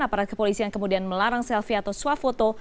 aparat kepolisian kemudian melarang selfie atau swap foto